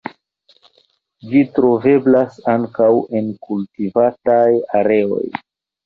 Ĝi troveblas ankaŭ en kultivataj areoj.